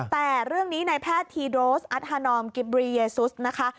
แต่เรื่องนี้ในแพทย์ทีโดสอัตฮานอมกิบรีเยซุสนะคะ